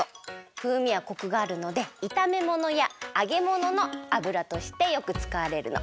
ふうみやコクがあるのでいためものやあげものの油としてよくつかわれるの。